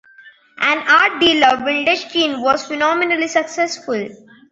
As an art dealer Wildenstein was phenomenally successful.